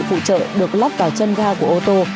phụ trợ được lắp vào chân ga của ô tô